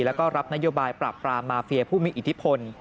แล้วก็รับนโยบายปราบปรามมาเฟียผู้มีอิทธิพล